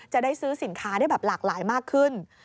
จะได้ซื้อสินค้าได้แบบหลากหลายมากขึ้น